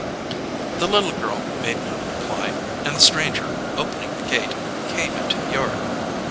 The little girl made no reply, and the stranger, opening the gate, came into the yard.